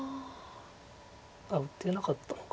あっ打てなかったのか。